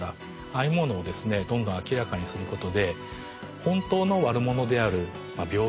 ああいうものをですねどんどん明らかにすることで本当の悪者である病原体。